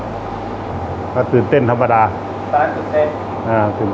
สวัสดีครับผมชื่อสามารถชานุบาลชื่อเล่นว่าขิงถ่ายหนังสุ่นแห่ง